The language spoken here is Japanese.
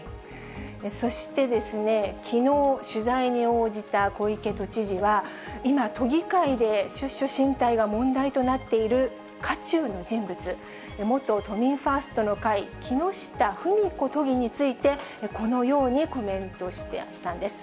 そして、きのう、取材に応じた小池都知事は、今、都議会で出処進退が問題となっている渦中の人物、元都民ファーストの会、木下富美子都議について、このようにコメントしたんです。